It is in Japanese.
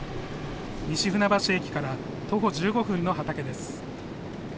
西船橋駅から徒歩１５分の畑です。